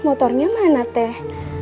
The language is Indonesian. motornya mana teh